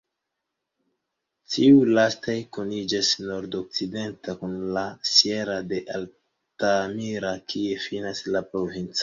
Tiuj lastaj kuniĝas nordokcidente kun la "sierra" de Altamira, kie finas la provinco.